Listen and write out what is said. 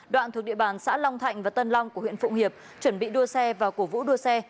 đoạn thuộc địa bàn xã long thạnh và tân long của huyện phụng hiệp chuẩn bị đua xe và cổ vũ đua xe